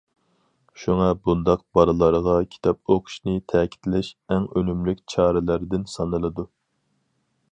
شۇڭا بۇنداق بالىلارغا كىتاب ئوقۇشنى تەكىتلەش ئەڭ ئۈنۈملۈك چارىلەردىن سانىلىدۇ.